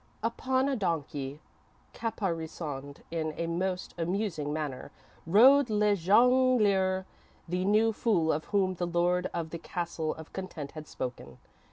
_ _Upon a donkey, caparisoned in a most amusing manner, rode Le Jongleur, the new fool of whom the Lord of the Castle of Content had spoken.